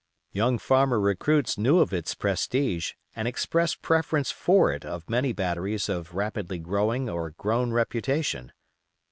Young farmer recruits knew of its prestige and expressed preference for it of many batteries of rapidly growing or grown reputation.